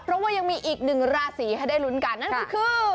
เพราะว่ายังมีอีกหนึ่งราศีให้ได้ลุ้นกันนั่นก็คือ